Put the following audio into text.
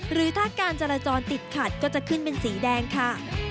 หรือถ้าการจราจรติดขัดก็จะขึ้นเป็นสีแดงค่ะ